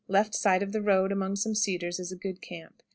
Left side of the road, among some cedars, is a good camp.